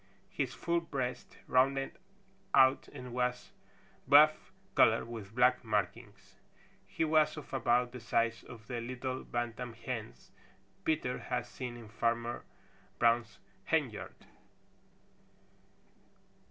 His full breast rounded out and was buff color with black markings. He was of about the size of the little Bantam hens Peter had seen in Farmer Brown's henyard.